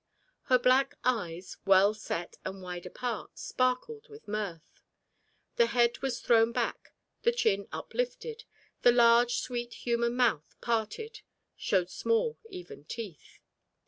Her black eyes, well set and wide apart, sparkled with mirth. The head was thrown back, the chin uplifted, the large sweet human mouth, parted, showed small even teeth.